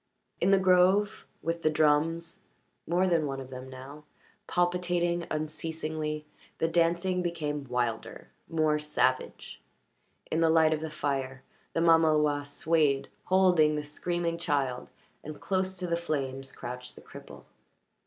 In the grove, with the drums more than one of them now palpitating unceasingly, the dancing became wilder, more savage. In the light of the fire the mamaloi swayed, holding the screaming child, and close to the flames crouched the cripple.